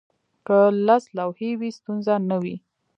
که لس لوحې وي، ستونزه نه وي.